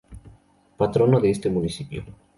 Patrono de este Municipio.